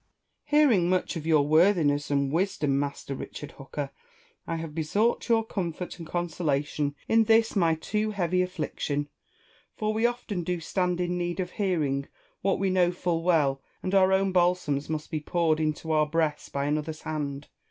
Hearing much of your worthiness and wisdom, Master Richard Hooker, I have besought your comfort and consolation in this my too heavy affliction : for we often do stand in need of hearing what we know full well, and our own balsams must be poured into our breasts by another's hand.